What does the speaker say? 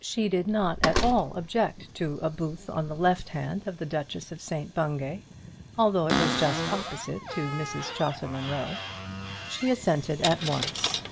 She did not at all object to a booth on the left hand of the Duchess of St Bungay, although it was just opposite to Mrs Chaucer Munro. She assented at once.